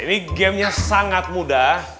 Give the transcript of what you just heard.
ini gamenya sangat mudah